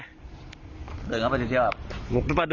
เละไปกี่เม็ด